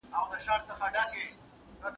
فلمونه د ژوند مختلف اړخونه ښيي